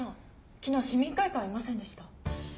昨日市民会館にいませんでした？